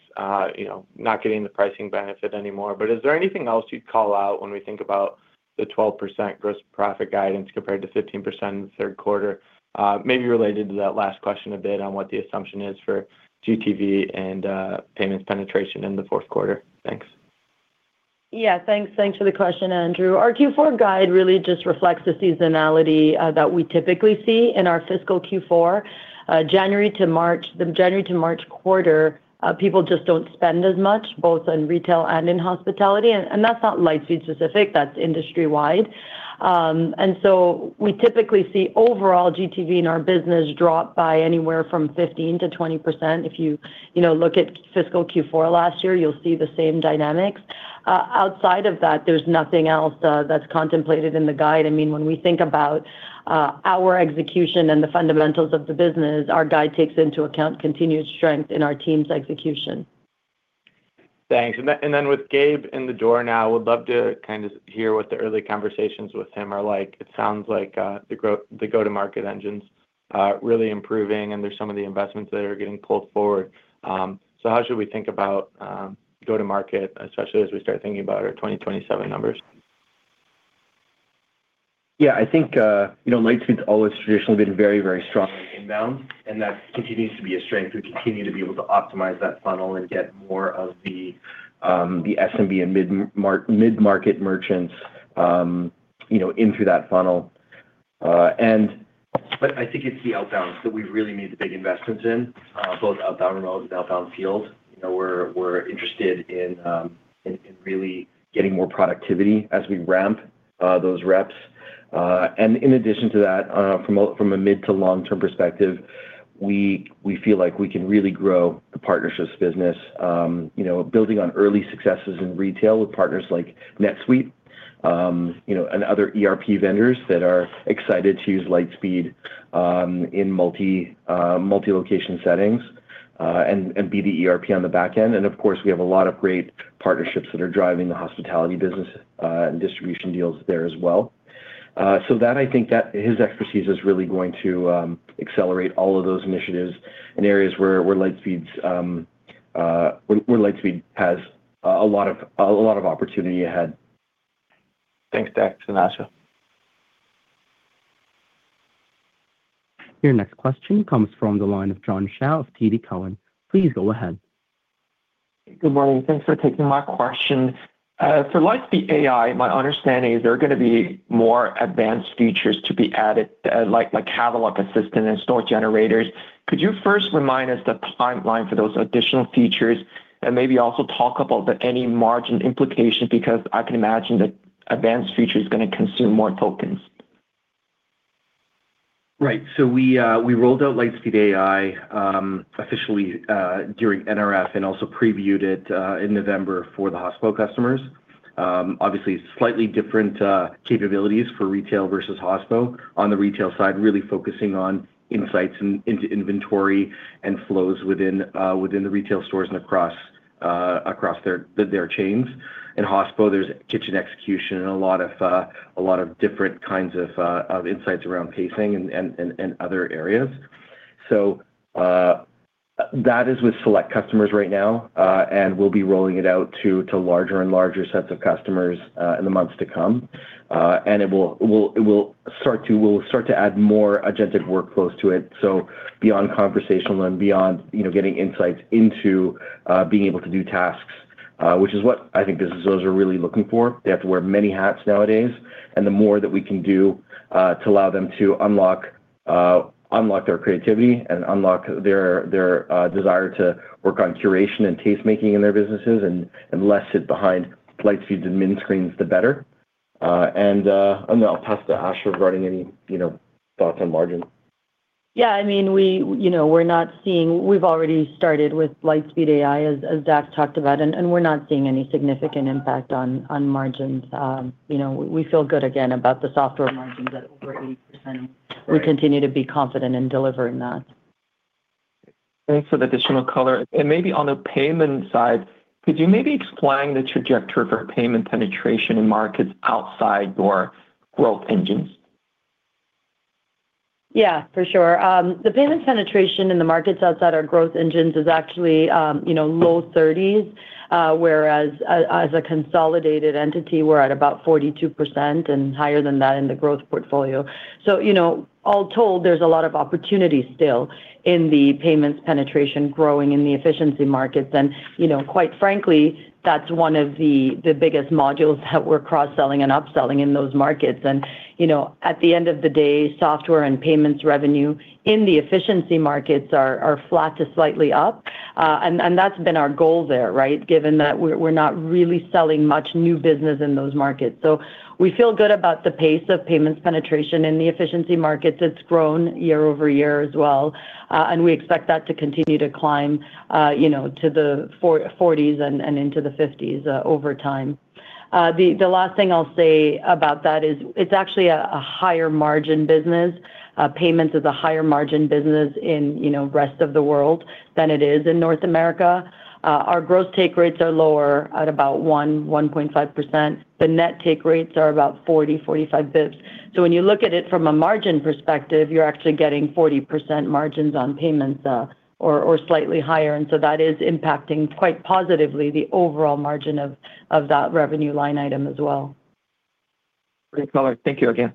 you know, not getting the pricing benefit anymore, but is there anything else you'd call out when we think about the 12% gross profit guidance compared to 15% in the third quarter? Maybe related to that last question a bit on what the assumption is for GTV and payments penetration in the fourth quarter. Thanks. Yeah, thanks. Thanks for the question, Andrew. Our Q4 guide really just reflects the seasonality, that we typically see in our fiscal Q4. January to March, the January to March quarter, people just don't spend as much, both in retail and in hospitality, and, and that's not Lightspeed specific, that's industry-wide. And so we typically see overall GTV in our business drop by anywhere from 15%-20%. If you, you know, look at fiscal Q4 last year, you'll see the same dynamics. Outside of that, there's nothing else, that's contemplated in the guide. I mean, when we think about, our execution and the fundamentals of the business, our guide takes into account continued strength in our team's execution. Thanks. And then with Gabe in the door now, I would love to kind of hear what the early conversations with him are like. It sounds like the growth, the go-to-market engines are really improving, and there's some of the investments that are getting pulled forward. So how should we think about go-to-market, especially as we start thinking about our 2027 numbers? Yeah, I think, you know, Lightspeed's always traditionally been very, very strong in inbound, and that continues to be a strength. We continue to be able to optimize that funnel and get more of the, the SMB and mid-market merchants, you know, into that funnel. But I think it's the outbounds that we really made the big investments in, both outbound remote and outbound field. You know, we're interested in really getting more productivity as we ramp those reps. And in addition to that, from a mid- to long-term perspective, we feel like we can really grow the partnerships business, you know, building on early successes in retail with partners like NetSuite, you know, and other ERP vendors that are excited to use Lightspeed in multi-location settings, and be the ERP on the back end. And of course, we have a lot of great partnerships that are driving the hospitality business, and distribution deals there as well. So that, I think that his expertise is really going to accelerate all of those initiatives in areas where Lightspeed has a lot of opportunity ahead. Thanks, Dax and Asha. Your next question comes from the line of John Shao of TD Cowen. Please go ahead. Good morning. Thanks for taking my question. For Lightspeed AI, my understanding is there are gonna be more advanced features to be added, like a catalog assistant and store generators. Could you first remind us the timeline for those additional features and maybe also talk about any margin implication? Because I can imagine the advanced feature is gonna consume more tokens. Right. So we rolled out Lightspeed AI officially during NRF and also previewed it in November for the hospo customers. Obviously, slightly different capabilities for retail versus hospo. On the retail side, really focusing on insights and into inventory and flows within the retail stores and across their chains. In hospo, there's kitchen execution and a lot of different kinds of insights around pacing and other areas. So, that is with select customers right now, and we'll be rolling it out to larger and larger sets of customers in the months to come. And it will start to, we'll start to add more agentic workflows to it, so beyond conversational and beyond, you know, getting insights into, being able to do tasks, which is what I think businesses are really looking for. They have to wear many hats nowadays, and the more that we can do, to allow them to unlock their creativity and unlock their, their, desire to work on curation and taste-making in their businesses, and less sit behind Lightspeed main screens, the better. And I'll pass to Asha regarding any, you know, thoughts on margin. Yeah, I mean, we, you know, we're not seeing... We've already started with Lightspeed AI, as Dax talked about, and we're not seeing any significant impact on margins. You know, we feel good again about the software margins at over 80%. Right. We continue to be confident in delivering that. Thanks for the additional color. And maybe on the payment side, could you maybe explain the trajectory for payment penetration in markets outside your growth engines? Yeah, for sure. The payments penetration in the markets outside our growth engines is actually, you know, low 30s, whereas as a consolidated entity, we're at about 42% and higher than that in the growth portfolio. So, you know, all told, there's a lot of opportunity still in the payments penetration growing in the efficiency markets. And, you know, quite frankly, that's one of the biggest modules that we're cross-selling and upselling in those markets. And, you know, at the end of the day, software and payments revenue in the efficiency markets are flat to slightly up. And that's been our goal there, right? Given that we're not really selling much new business in those markets. So we feel good about the pace of payments penetration in the efficiency markets. It's grown year-over-year as well, and we expect that to continue to climb, you know, to the 40s and into the 50s over time. The last thing I'll say about that is it's actually a higher margin business. Payments is a higher margin business in, you know, rest of the world than it is in North America. Our gross take rates are lower at about 1.5%. The net take rates are about 40-45 basis points. So when you look at it from a margin perspective, you're actually getting 40% margins on payments, or slightly higher, and so that is impacting quite positively the overall margin of that revenue line item as well. Great color. Thank you again.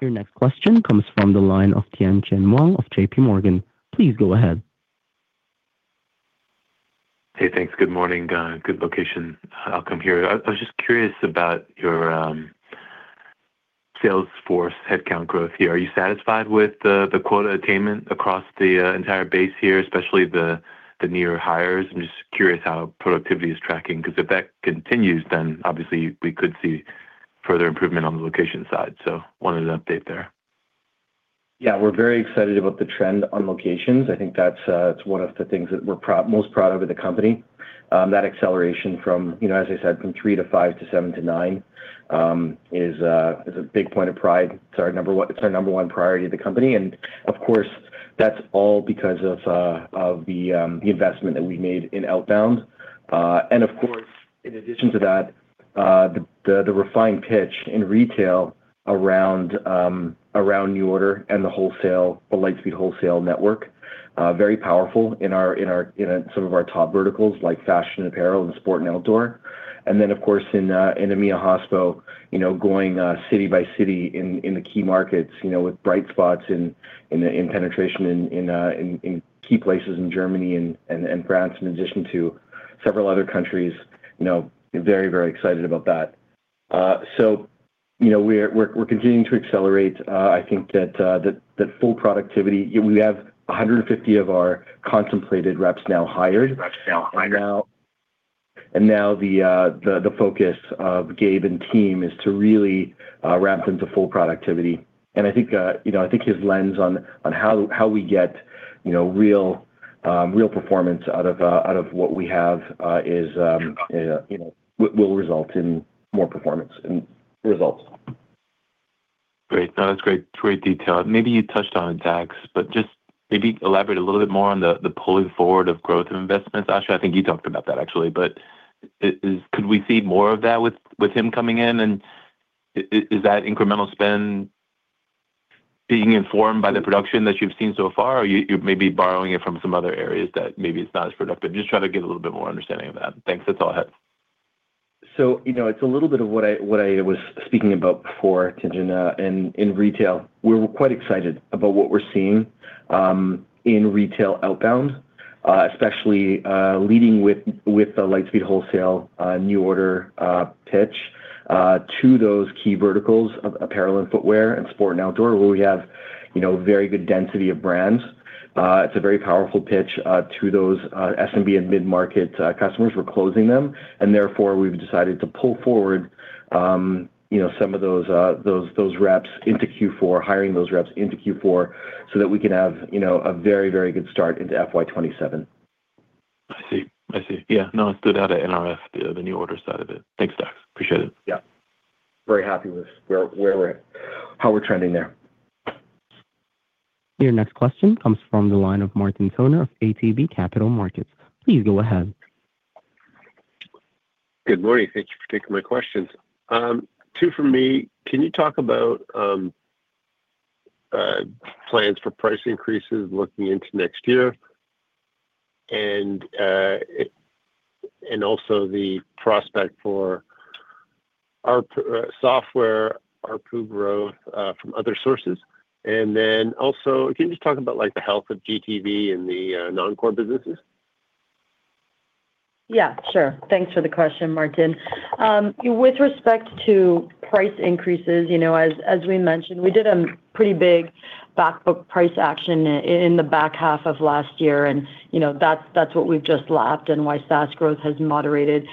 Your next question comes from the line of Tien-Tsin Huang of JPMorgan. Please go ahead. Hey, thanks. Good morning, good location outcome here. I was just curious about your sales force headcount growth here. Are you satisfied with the quota attainment across the entire base here, especially the newer hires? I'm just curious how productivity is tracking, 'cause if that continues, then obviously we could see further improvement on the location side. So wanted an update there. Yeah, we're very excited about the trend on locations. I think that's, it's one of the things that we're proud, most proud of in the company. That acceleration from, you know, as I said, from 3% to 5% to 7% to 9%, is a big point of pride. It's our number one, it's our number one priority of the company, and of course, that's all because of the investment that we made in outbound. And of course, in addition to that, the refined pitch in retail around NuORDER and the wholesale, the Lightspeed Wholesale network, very powerful in some of our top verticals like fashion and apparel and sport and outdoor. And then, of course, in EMEA hospo, you know, going city by city in the key markets, you know, with bright spots in the penetration in key places in Germany and France, in addition to several other countries. You know, very excited about that. So you know, we're continuing to accelerate. I think that the full productivity-- We have 150 of our contemplated reps now hired. And now the focus of Gabe and team is to really ramp them to full productivity. I think, you know, I think his lens on how we get, you know, real performance out of what we have is, you know, will result in more performance and results. Great. No, that's great, great detail. Maybe you touched on tax, but just maybe elaborate a little bit more on the pulling forward of growth and investments. Asha, I think you talked about that actually, but is... Could we see more of that with him coming in? And is that incremental spend being informed by the production that you've seen so far, or you're maybe borrowing it from some other areas that maybe it's not as productive? Just trying to get a little bit more understanding of that. Thanks. That's all I have. So, you know, it's a little bit of what I, what I was speaking about before, Tien-Tsin, in retail. We're quite excited about what we're seeing in retail outbound, especially leading with the Lightspeed Wholesale, NuORDER pitch to those key verticals of apparel and footwear and sport and outdoor, where we have, you know, very good density of brands. It's a very powerful pitch to those SMB and mid-market customers. We're closing them, and therefore, we've decided to pull forward, you know, some of those reps into Q4, hiring those reps into Q4 so that we can have, you know, a very, very good start into FY 2027. I see. I see. Yeah. No, it stood out at NRF, the, the NuORDER side of it. Thanks, Dax. Appreciate it. Yeah. Very happy with where we're at, how we're trending there. Your next question comes from the line of Martin Toner of ATB Capital Markets. Please go ahead. Good morning. Thank you for taking my questions. Two for me. Can you talk about plans for price increases looking into next year? And also the prospect for our software ARPU growth from other sources. And then also, can you just talk about, like, the health of GTV and the non-core businesses? Yeah, sure. Thanks for the question, Martin. With respect to price increases, you know, as we mentioned, we did a pretty big back book price action in the back half of last year, and, you know, that's what we've just lapped and why SaaS growth has moderated.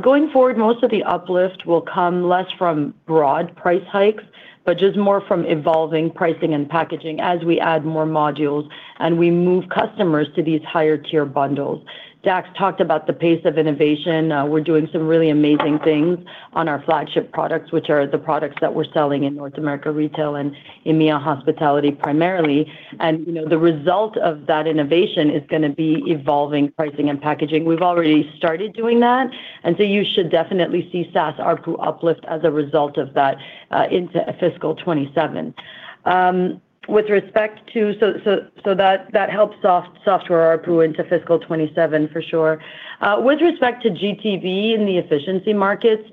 Going forward, most of the uplift will come less from broad price hikes, but just more from evolving pricing and packaging as we add more modules, and we move customers to these higher tier bundles. Dax talked about the pace of innovation. We're doing some really amazing things on our flagship products, which are the products that we're selling in North America retail and EMEA hospitality, primarily. You know, the result of that innovation is gonna be evolving pricing and packaging. We've already started doing that, and so you should definitely see SaaS ARPU uplift as a result of that into fiscal 2027. So that helps software ARPU into fiscal 2027 for sure. With respect to GTV and the efficiency markets,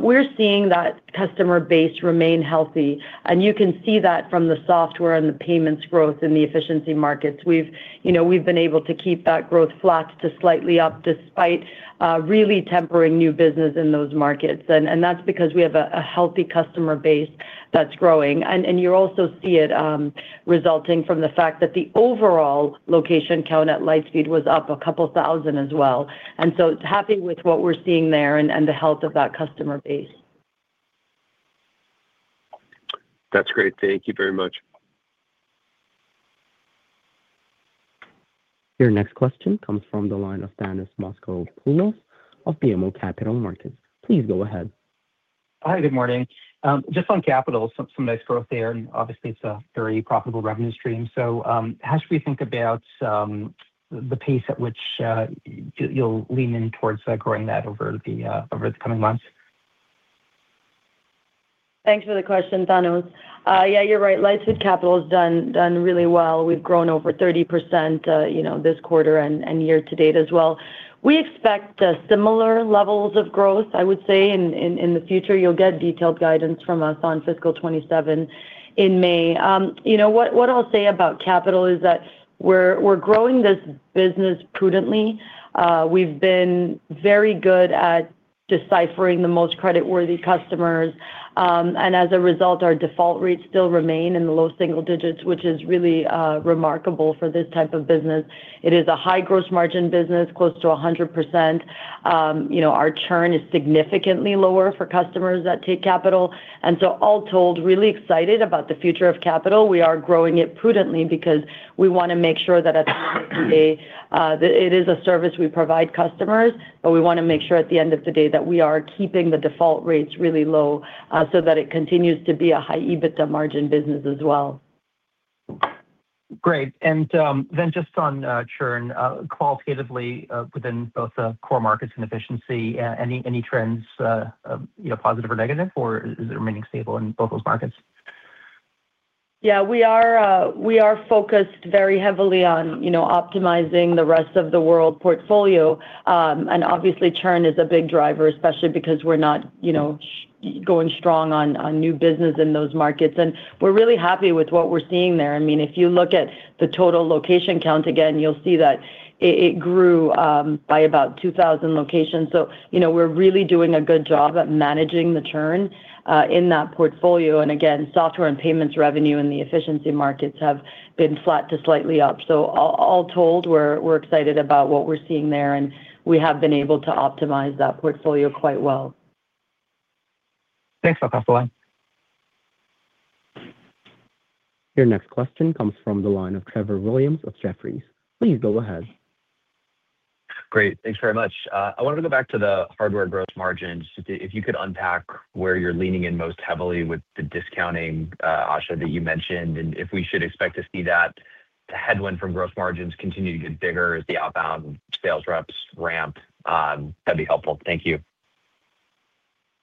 we're seeing that customer base remain healthy, and you can see that from the software and the payments growth in the efficiency markets. You know, we've been able to keep that growth flat to slightly up, despite really tempering new business in those markets. That's because we have a healthy customer base that's growing. You also see it resulting from the fact that the overall location count at Lightspeed was up a couple thousand as well. So happy with what we're seeing there and the health of that customer base. That's great. Thank you very much. Your next question comes from the line of Thanos Moschopoulos of BMO Capital Markets. Please go ahead. Hi, good morning. Just on capital, some nice growth there, and obviously it's a very profitable revenue stream. So, how should we think about the pace at which you, you'll lean in towards growing that over the coming months? Thanks for the question, Thanos. Yeah, you're right, Lightspeed Capital has done really well. We've grown over 30%, you know, this quarter and year-to-date as well. We expect similar levels of growth, I would say, in the future. You'll get detailed guidance from us on fiscal 2027 in May. You know, what I'll say about capital is that we're growing this business prudently. We've been very good at deciphering the most creditworthy customers, and as a result, our default rates still remain in the low-single digits, which is really remarkable for this type of business. It is a high-gross-margin business, close to 100%. You know, our churn is significantly lower for customers that take capital. And so all told, really excited about the future of capital. We are growing it prudently because we wanna make sure that at the end of the day, it is a service we provide customers, but we wanna make sure at the end of the day that we are keeping the default rates really low, so that it continues to be a high EBITDA margin business as well. Great. And then just on churn, qualitatively, within both the core markets and efficiency, any, any trends, you know, positive or negative, or is it remaining stable in both those markets? Yeah, we are focused very heavily on, you know, optimizing the rest of the world portfolio. And obviously, churn is a big driver, especially because we're not, you know, going strong on new business in those markets. And we're really happy with what we're seeing there. I mean, if you look at the total location count again, you'll see that it grew by about 2,000 locations. So, you know, we're really doing a good job at managing the churn in that portfolio. And again, software and payments revenue in the efficiency markets have been flat to slightly up. So all told, we're excited about what we're seeing there, and we have been able to optimize that portfolio quite well. Thanks. I'll pass the line. Your next question comes from the line of Trevor Williams of Jefferies. Please go ahead. Great. Thanks very much. I wanted to go back to the hardware growth margins. If you could unpack where you're leaning in most heavily with the discounting, Asha, that you mentioned, and if we should expect to see that the headwind from growth margins continue to get bigger as the outbound sales reps ramp? That'd be helpful. Thank you.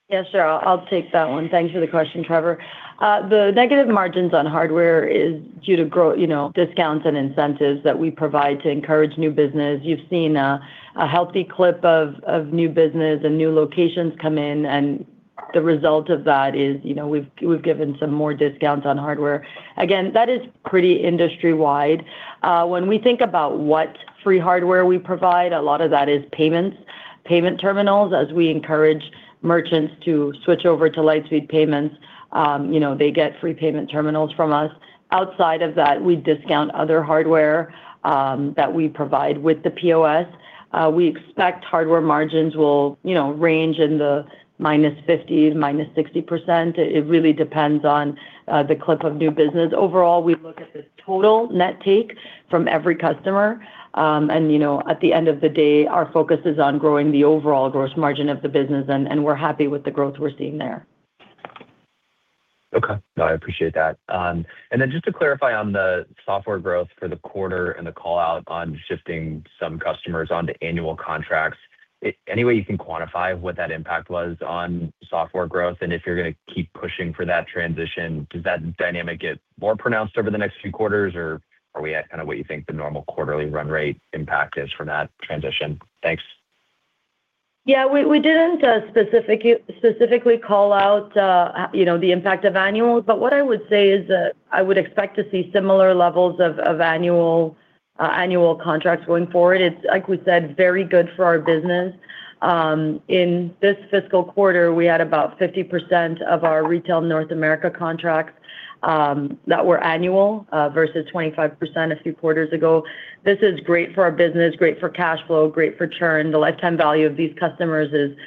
Yeah, sure. I'll take that one. Thanks for the question, Trevor. The negative margins on hardware is due to grow, you know, discounts and incentives that we provide to encourage new business. You've seen a healthy clip of new business and new locations come in, and the result of that is, you know, we've given some more discounts on hardware. Again, that is pretty industry-wide. When we think about what free hardware we provide, a lot of that is payments, payment terminals. As we encourage merchants to switch over to Lightspeed Payments, you know, they get free payment terminals from us. Outside of that, we discount other hardware that we provide with the POS. We expect hardware margins will, you know, range in the -50% to -60%. It really depends on the clip of new business. Overall, we look at the total net take from every customer, and, you know, at the end of the day, our focus is on growing the overall gross margin of the business, and, and we're happy with the growth we're seeing there. Okay. No, I appreciate that. And then just to clarify on the software growth for the quarter and the call-out on shifting some customers onto annual contracts, any way you can quantify what that impact was on software growth, and if you're gonna keep pushing for that transition, does that dynamic get more pronounced over the next few quarters, or are we at kind of what you think the normal quarterly run rate impact is from that transition? Thanks. Yeah, we didn't specifically call out, you know, the impact of annual, but what I would say is that I would expect to see similar levels of annual contracts going forward. It's, like we said, very good for our business. In this fiscal quarter, we had about 50% of our retail North America contracts that were annual versus 25% a few quarters ago. This is great for our business, great for cash flow, great for churn. The lifetime value of these customers is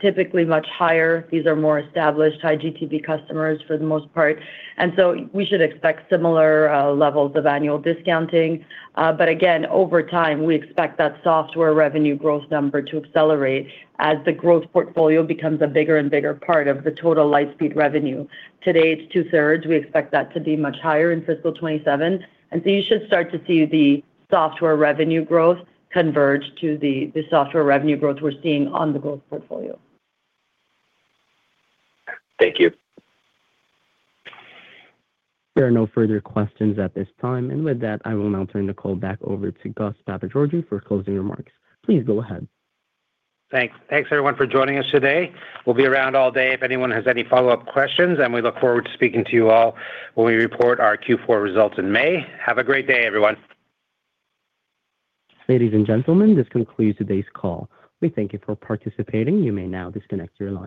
typically much higher. These are more established, high-GTV customers for the most part, and so we should expect similar levels of annual discounting. But again, over time, we expect that software revenue growth number to accelerate as the growth portfolio becomes a bigger and bigger part of the total Lightspeed revenue. Today, it's 2/3. We expect that to be much higher in fiscal 2027, and so you should start to see the software revenue growth converge to the software revenue growth we're seeing on the growth portfolio. Thank you. There are no further questions at this time. With that, I will now turn the call back over to Gus Papageorgiou for closing remarks. Please go ahead. Thanks. Thanks, everyone, for joining us today. We'll be around all day if anyone has any follow-up questions, and we look forward to speaking to you all when we report our Q4 results in May. Have a great day, everyone. Ladies and gentlemen, this concludes today's call. We thank you for participating. You may now disconnect your lines.